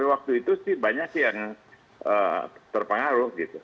waktu itu banyak yang terpengaruh